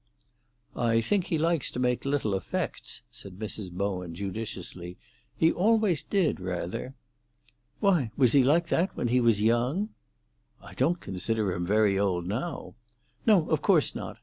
"I think he likes to make little effects," said Mrs. Bowen judiciously. "He always did, rather." "Why, was he like this when he was young?" "I don't consider him very old now." "No, of course not.